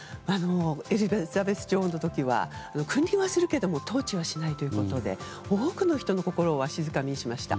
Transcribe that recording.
エリザベス女王の時は君臨はするけれども統治はしないということで多くの人の心をわしづかみしました。